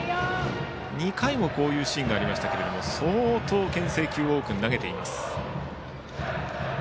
２回もこういうシーンがありましたが相当、けん制球を多く投げている宮國。